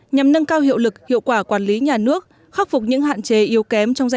nhằm nâng cao hiệu lực hiệu quả quản lý nhà nước khắc phục những hạn chế yếu kém